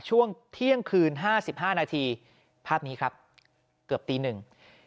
ช่วงเที่ยงคืน๕๕นาทีภาพนี้ครับเกือบตีหนึ่ง